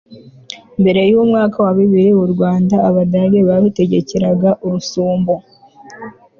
mbere y'umwaka wa bibiri, u rwanda abadage barutegekeraga urusumbu